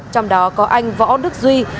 trong đó có anh võ đức duy